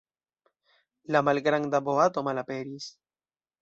La malgranda boato malaperis!